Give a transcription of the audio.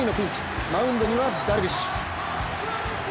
マウンドにはダルビッシュ。